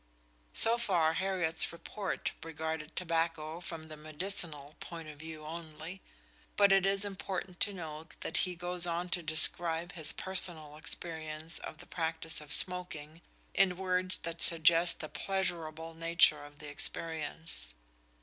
So far Hariot's "Report" regarded tobacco from the medicinal point of view only; but it is important to note that he goes on to describe his personal experience of the practice of smoking in words that suggest the pleasurable nature of the experience.